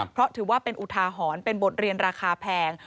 เพราะถือว่าเป็นอุทาหรณ์เป็นบทเรียนราคาแพง